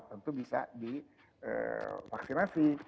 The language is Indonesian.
tentu bisa divaksinasi